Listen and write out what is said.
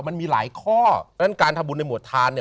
มันมีหลายข้อเพราะฉะนั้นการทำบุญในหมวดทานเนี่ย